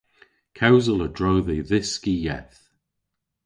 Kewsel a-dro dhe dhyski yeth.